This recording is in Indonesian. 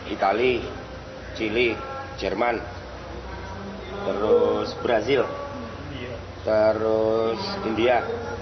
itali chile jerman terus brazil terus india